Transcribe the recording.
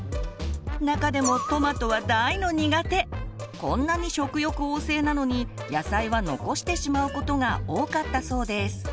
中でもこんなに食欲旺盛なのに野菜は残してしまうことが多かったそうです。